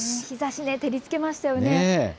日ざし、照りつけましたよね。